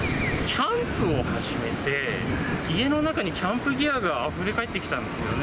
キャンプを始めて、家の中にキャンプギアがあふれ返ってきたんですよね。